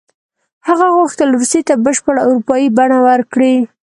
هغه غوښتل روسیې ته بشپړه اروپایي بڼه ورکړي.